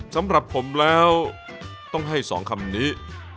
สำหรับผมแล้วต้องให้๒คำนี้